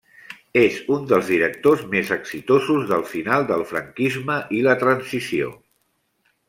És un dels directors més exitosos del final del franquisme i la transició.